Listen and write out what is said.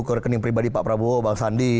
ke rekening pribadi pak prabowo bang sandi